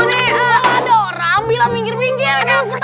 eh eh ada orang bilang minggir minggir